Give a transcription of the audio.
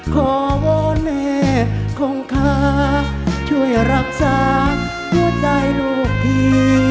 ขอวโวเนคงคาช่วยรักษาผู้ใส่ลูกที่